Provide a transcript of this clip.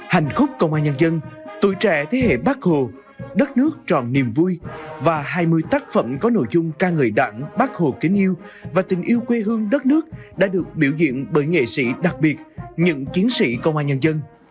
hành khúc công an nhân dân tuổi trẻ thế hệ bắc hồ đất nước tròn niềm vui và hai mươi tác phẩm có nội dung ca ngợi đảng bác hồ kính yêu và tình yêu quê hương đất nước đã được biểu diễn bởi nghệ sĩ đặc biệt những chiến sĩ công an nhân dân